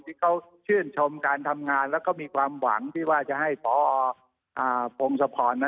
ที่เขาชื่นชมการทำงานแล้วก็มีความหวังที่ว่าจะให้พอพงศพร